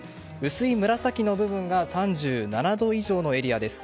薄い紫の部分が３７度以上のエリアです。